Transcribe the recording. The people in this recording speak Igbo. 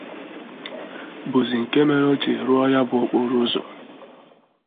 bụzị nke mere o jiri rụọ ya bụ okporo ụzọ.